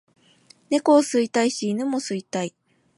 猫を吸いたいし犬も吸いたい